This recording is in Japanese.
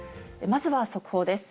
まずは速報です。